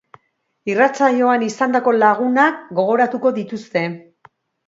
Irratsaioan izandako lagunak gogoratuko dituzte.